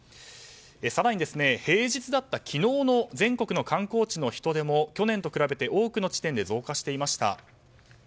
更に、平日だった昨日の全国の観光地の人出も去年と比べて多くの地点で増加していました。